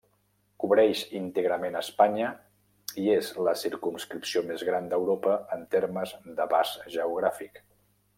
Cobreix íntegrament Espanya i és la circumscripció més gran d'Europa en termes d'abast geogràfic.